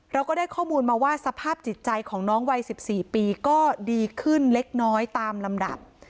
เราก็ได้ข้อมูลมาว่าสภาพจิตใจของน้องวัย๑๔ปีก็ดีขึ้นเล็กน้อยตามลำดับ